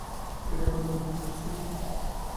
ঠিক এটাই পরিকল্পনা ছিল।